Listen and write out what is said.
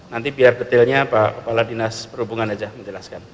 nanti biar detailnya pak kepala dinas perhubungan saja menjelaskan